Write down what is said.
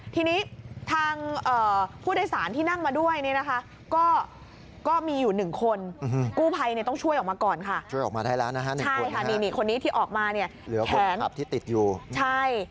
ทางผู้โดยสารที่นั่งมาด้วยเนี่ยก็มีอยู่๑คน